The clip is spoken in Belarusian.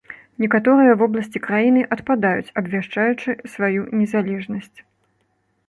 Некаторыя вобласці краіны адпадаюць, абвяшчаючы сваю незалежнасць.